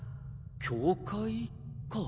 教会か。